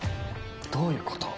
どういうこと？